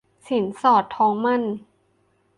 สินสอดทองหมั้น